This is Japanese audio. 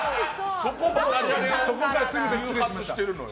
そこから誘発してるのよ。